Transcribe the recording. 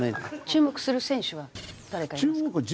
注目する選手は誰かいますか？